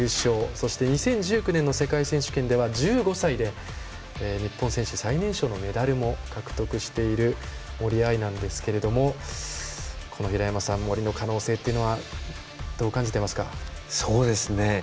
そして、２０１９年の世界選手権では１５歳で日本選手最年少のメダルも獲得している森秋彩なんですけども森の可能性っていうのはどう感じていますか？